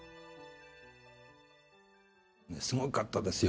すごかったですよ。